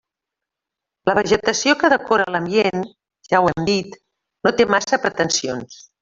La vegetació que decora l'ambient, ja ho hem dit, no té massa pretensions.